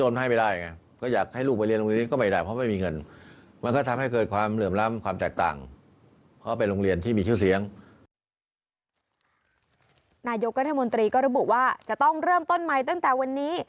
นายกรัฐมนตรีก็ระบุว่าจะต้องเริ่มต้นใหม่ตั้งแต่วันนี้